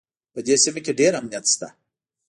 په دې سیمه کې ډېر امنیت شته